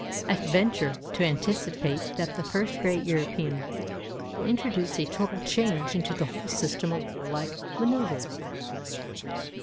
I venture to anticipate that the first great European war will introduce a total change into the whole system of warlike manœuvres.